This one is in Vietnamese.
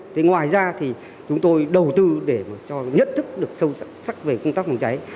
thế ngoài ra thì chúng tôi đầu tư để cho nhận thức được sâu sắc về công tác phòng cháy